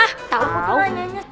aku tuh nanyanya